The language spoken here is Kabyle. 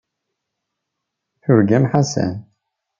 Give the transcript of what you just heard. Turgam Ḥasan.